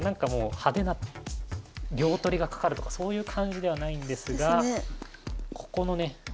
派手な両取りがかかるとかそういう感じではないんですがここのね